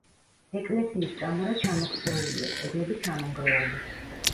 ეკლესიის კამარა ჩამოქცეულია, კედლები ჩამონგრეული.